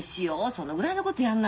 そのぐらいのことやんなきゃ。